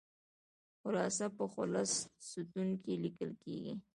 خلاصه په خلص ستون کې لیکل کیږي.